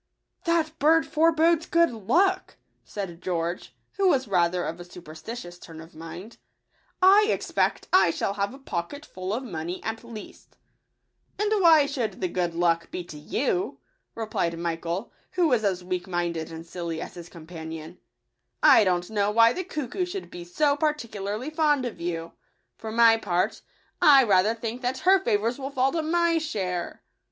" That bird forebodes good luck," said George, who was rather of a superstitious turn of mind ;" I expect I shall have a poc ketful of money at least!" " And why should the good luck be to you ?" replied Michael, who was as weak minded and silly as his com panion ;" I don't know why the cuckoo should H 97 T Digitized by kaOOQle 1L. ah t»< tf/lmt H..f) 1 1*. rn£*j»ulii%.t, i. a be so particularly fond of you. For my part, I rather think that her favours will fall to my share."